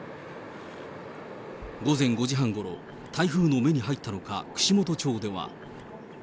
午前５時半ごろ、台風の目に入ったのか、串本町では。